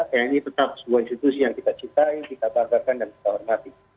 tni tetap sebuah institusi yang kita cintai kita banggakan dan kita hormati